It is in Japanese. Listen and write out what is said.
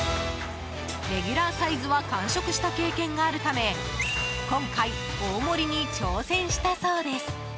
レギュラーサイズは完食した経験があるため今回、大盛りに挑戦したそうです。